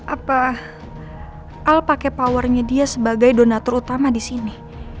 apa al pakai powernya dia sebagai donatur utama di sini